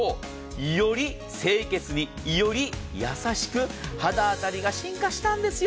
より清潔に、より優しく肌当たりが進化したんです。